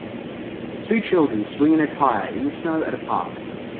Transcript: Two children swing in a tire in the snow at a park.